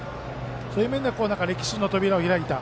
そういう面では歴史の扉を開いた。